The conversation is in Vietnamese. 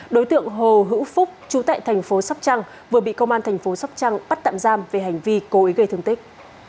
đối tượng hồ hữu phúc chú tại thành phố sóc trăng vừa bị công an thành phố sóc trăng bắt tạm giam về hành vi cố ý gây thương tích